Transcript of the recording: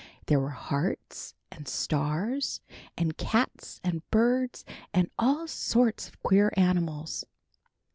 There were hearts and stars and cats and birds and all sorts of queer animals.